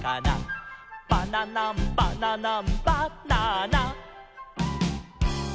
「バナナンバナナンバナナ」